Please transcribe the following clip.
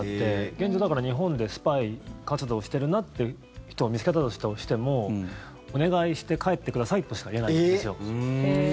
現状、日本でスパイ活動をしてるなって人を見つけたとしてもお願いして帰ってくださいとしか言えないんですよ。